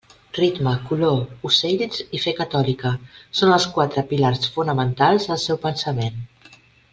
Ritme, color, ocells i fe catòlica són els quatre pilars fonamentals del seu pensament.